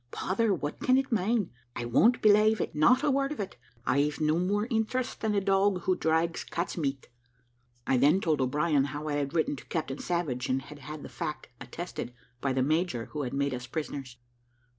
Bother, what can it mane? I won't belave it not a word of it. I've no more interest than a dog who drags cats' meat." I then told O'Brien how I had written to Captain Savage, and had had the fact attested by the major who had made us prisoners.